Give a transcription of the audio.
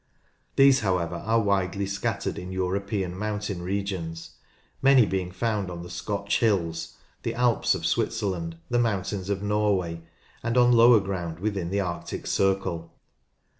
These however are widely scattered in European mountain regions, many being found on the Scotch hills, the Alps of Switzerland, the mountains of Norway, and on lower ground within the arctic circle.